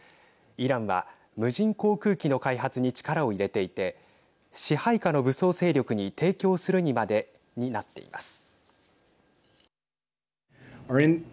イランは無人航空機の開発に力を入れていて支配下の武装勢力に提供するにまでになっています。